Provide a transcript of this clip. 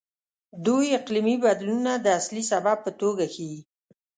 دوی اقلیمي بدلونونه د اصلي سبب په توګه ښيي.